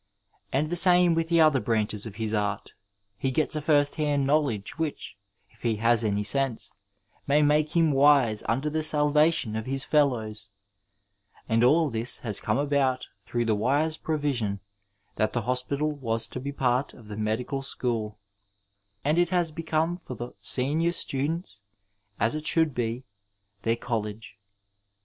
And the same with the other 406 Digitized by VjOOQIC THE FIXED PERIOD branches of his art ; he gets a first hand knowledge which, if he has any sense, may make him wise unto the salvation of his fellows. And all this has come about through the wise provision that the hospital was to be part of the medical school, and it has become for the senior students, as it should be, their college.